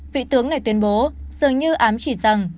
vị tướng này tuyên bố dường như ám chỉ rằng